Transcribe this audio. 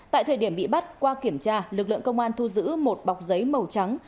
tại thời điểm bị bắt qua kiểm tra lực lượng công an thu giữ một bọc giấy màu trắng